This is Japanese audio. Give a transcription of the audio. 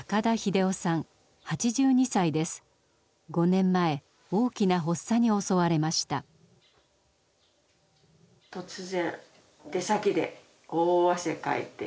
５年前大きな発作に襲われました。大汗？